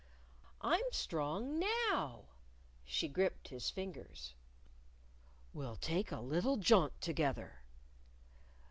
"I'm strong now." She gripped his fingers. "We'll take a little jaunt together."